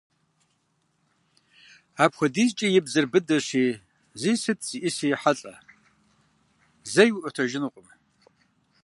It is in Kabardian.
Апхуэдизкӏэ и бзэр быдэщи, зи сыт зиӏыси ехьэлӏэ, зэи уиӏуэтэжынукъым.